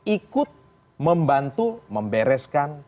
ikut membantu membereskan